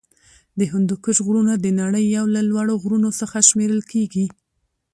د هندوکش غرونه د نړۍ یو له لوړو غرونو څخه شمېرل کیږی.